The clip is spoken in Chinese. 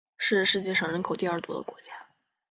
是世界上人口第二多的国家。